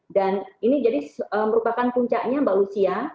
dan ini jadi merupakan puncaknya mbak lucia